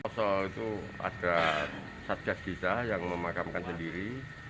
soal itu ada satya giza yang memakamkan sendiri